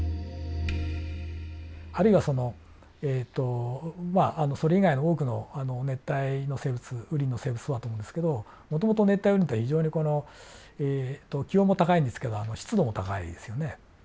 あるいはそのえっとまあそれ以外の多くの熱帯の生物雨林の生物そうだと思うんですけどもともと熱帯雨林っていうのは非常にこの気温も高いんですけど湿度も高いですよね。